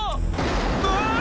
うわ！